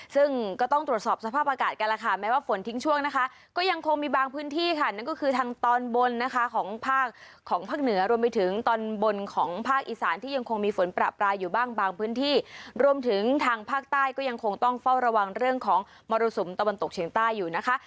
ซึ่งก็ต้องตรวจสอบสภาพอากาศกันแล้วค่ะแม้ว่าฝนทิ้งช่วงนะคะก็ยังคงมีบางพื้นที่ค่ะนั่นก็คือทางตอนบนนะคะของภาคของภาคเหนือรวมไปถึงตอนบนของภาคอีสานที่ยังคงมีฝนประปรายอยู่บ้างบางพื้นที่รวมถึงทางภาคใต้ก็ยังคงต้องเฝ้าระวังเรื่องของมรสุมตะวันตกเฉียงใต้อยู่นะคะ